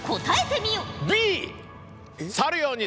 答えてみよ。